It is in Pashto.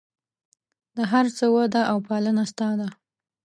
د هر څه وده او پالنه ستا ده.